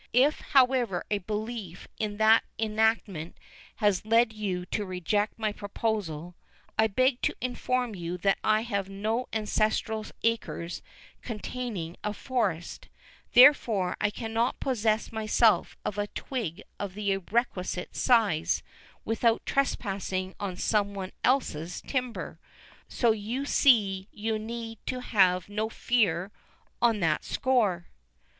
If, however, a belief in that enactment has led you to reject my proposal, I beg to inform you that I have no ancestral acres containing a forest; therefore I cannot possess myself of a twig of the requisite size without trespassing on some one else's timber. So you see you need have no fear on that score."